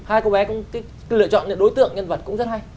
hai cô bé cũng lựa chọn những đối tượng nhân vật cũng rất hay